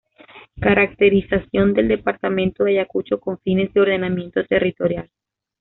Caracterización del Departamento de Ayacucho con fines de ordenamiento Territorial.